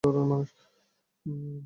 আমি খুব শক্ত ধরনের মানুষ।